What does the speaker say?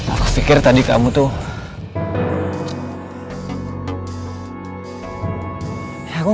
aku takut kamu marah kalau aku bilang